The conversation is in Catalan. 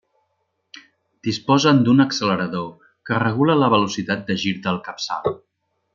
Disposen d'un accelerador que regula la velocitat de gir del capçal.